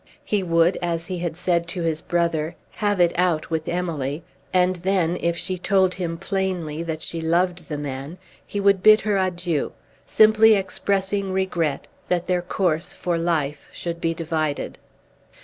He would, as he had said to his brother, "have it out with Emily"; and then, if she told him plainly that she loved the man, he would bid her adieu, simply expressing regret that their course for life should be divided.